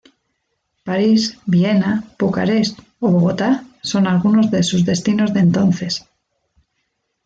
París, Viena, Bucarest o Bogotá son algunos de sus destinos de entonces.